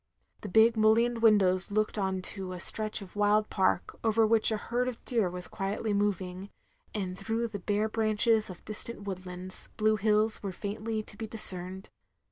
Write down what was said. The big mullioned windows looked on to a stretch of wild park, over which a herd of deer was quietly moving; and through the bare branches of distant woodlands, blue hills were faintly to be discerned.